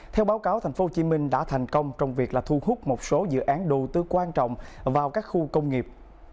theo báo cáo tp hcm đã thành công trong việc thu hút một số dự án đầu tư quan trọng vào các khu công nghiệp